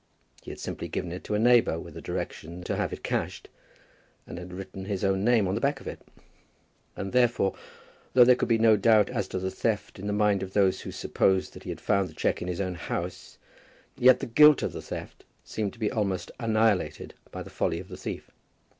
He had simply given it to a neighbour with a direction to have it cashed, and had written his own name on the back of it. And therefore, though there could be no doubt as to the theft in the mind of those who supposed that he had found the cheque in his own house, yet the guilt of the theft seemed to be almost annihilated by the folly of the thief.